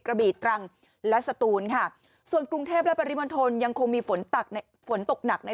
กระบีตรังและสตูนค่ะส่วนกรุงเทพและปริมณฑลยังคงมีฝนตกหนักใน